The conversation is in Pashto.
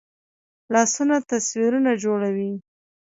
لاسونه تصویرونه جوړوي